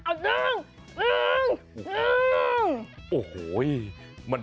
โอ้โหมันจะดี